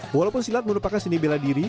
walaupun silat merupakan seni bela diri